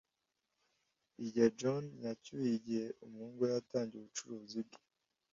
Igihe John yacyuye igihe umuhungu we yatangiye ubucuruzi bwe